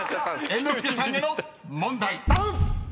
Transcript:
猿之助さんへの問題］頼む！